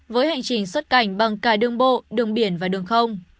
với hành trình xuất cảnh bằng cả đường bộ đường biển và đường không